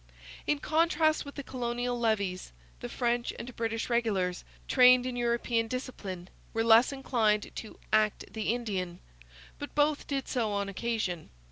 In contrast with the colonial levies the French and British regulars, trained in European discipline, were less inclined to 'act the Indian'; but both did so on occasion.